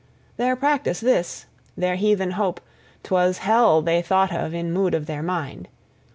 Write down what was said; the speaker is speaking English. Their practice this, their heathen hope; 'twas Hell they thought of in mood of their mind.